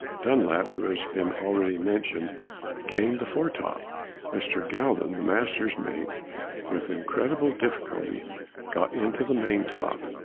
Dunlap, who has been already mentioned, gained the fore top. Mr. Galvin, the master's mate, with incredible difficulty, got into the main top.